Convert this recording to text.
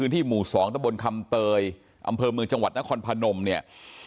ที่หมู่๒ตะบนคำเตยอำเภอเมืองจังหวัดนครพนมเนี่ย